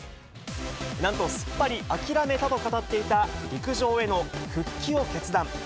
なんと、すっぱり諦めたと語っていた陸上への復帰を決断。